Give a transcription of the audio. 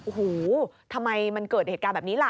โอ้โหทำไมมันเกิดเหตุการณ์แบบนี้ล่ะ